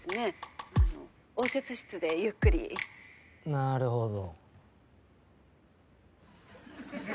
なるほど。